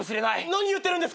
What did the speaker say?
何言ってるんですか？